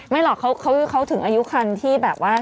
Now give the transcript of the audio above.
ไม่หรอกเขาถึงอายุคันที่แบบว่า